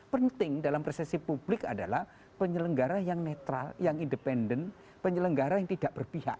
penting dalam persepsi publik adalah penyelenggara yang netral yang independen penyelenggara yang tidak berpihak